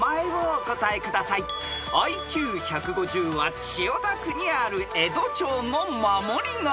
［ＩＱ１５０は千代田区にある江戸城の守り神］